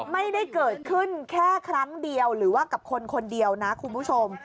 ไม่ได้เกิดขึ้นแค่ครั้งเดียวหรือว่ากับคนคนเดียวนะคุณผู้ชม